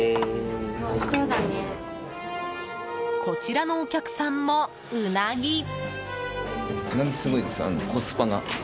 こちらのお客さんもウナギ。